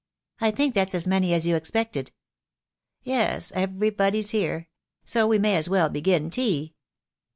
I think that's as many as you expected." "Yes, everybody's here. So we may as well begin tea."